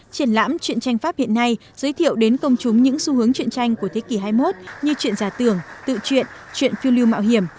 triển lãm chuyện tranh pháp hiện nay giới thiệu đến công chúng những xu hướng chuyện tranh của thế kỷ hai mươi một như chuyện giả tưởng tự chuyện chuyện phiêu lưu mạo hiểm